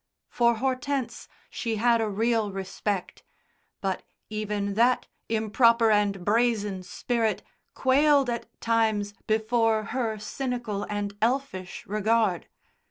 For Hortense, she had a real respect, but even that improper and brazen spirit quailed at times before her cynical and elfish regard.